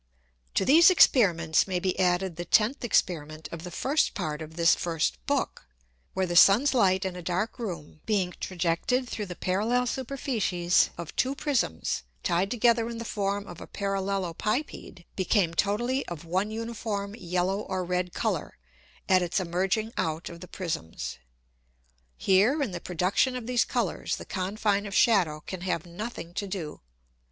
To these Experiments may be added the tenth Experiment of the first Part of this first Book, where the Sun's Light in a dark Room being trajected through the parallel Superficies of two Prisms tied together in the form of a Parallelopipede, became totally of one uniform yellow or red Colour, at its emerging out of the Prisms. Here, in the production of these Colours, the Confine of Shadow can have nothing to do.